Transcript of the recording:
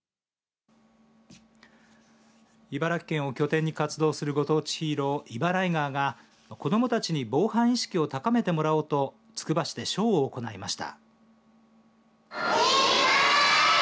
茨城県を拠点に活動するご当地ヒーローイバライガーが子どもたちに防犯意識を高めてもらおうとつくば市でショーを行いました。